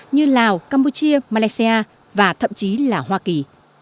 như lào campuchia malaysia và thậm chí là hoa kỳ